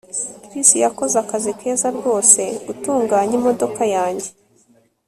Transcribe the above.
Chris yakoze akazi keza rwose gutunganya imodoka yanjye